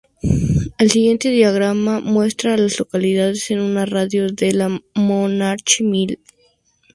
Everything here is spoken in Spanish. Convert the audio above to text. El siguiente diagrama muestra a las localidades en un radio de de Monarch Mill.